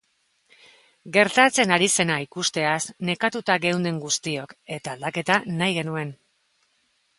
Gertatzen ari zena ikusteaz nekatuta geunden guztiok, eta aldaketa nahi genuen.